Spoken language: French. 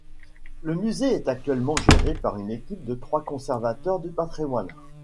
Le musée est actuellement géré par une équipe de trois conservateurs du patrimoine.